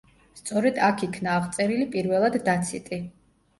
სწორედ აქ იქნა აღწერილი პირველად დაციტი.